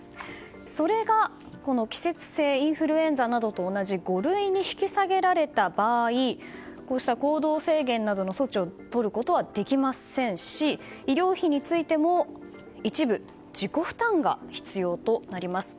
それが季節性インフルエンザなどと同じ五類に引き下げられた場合こうした行動制限などの措置をとることはできませんし医療費についても一部自己負担が必要となります。